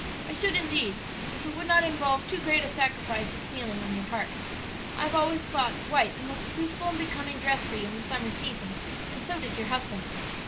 "I should indeed, if it would not involve too great a sacrifice of feeling on your part. I have always thought white the most suitable and becoming dress for you in the summer season, and so did your husband."